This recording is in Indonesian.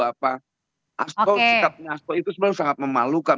astro sikapnya astro itu sebenarnya sangat memalukan